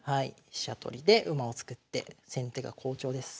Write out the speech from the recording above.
飛車取りで馬を作って先手が好調です。